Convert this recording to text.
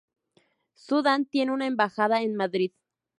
Sudán tiene una embajada en Madrid.